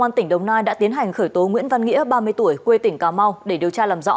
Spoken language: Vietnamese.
công an tỉnh đồng nai đã tiến hành khởi tố nguyễn văn nghĩa ba mươi tuổi quê tỉnh cà mau để điều tra làm rõ